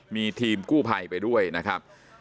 มีทีมกู้ภัยไปด้วยนะครับ